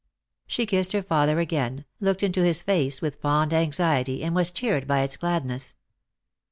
She kissed her father again, looked into his face with fond anxiety, and was cheered by its gladness.